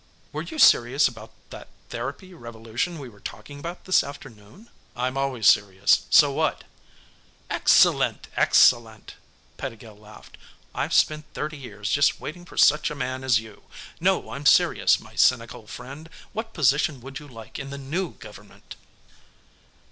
"Were you serious about that 'therapy revolution' we were talking about this afternoon?" "I'm always serious. So what?" "Excellent, excellent," Pettigill laughed. "I've spent thirty years just waiting for such a man as you! No, I'm serious, my cynical friend what position would you like in the new government?"